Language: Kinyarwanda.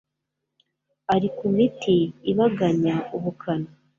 ari ku miti ibaganya ubukana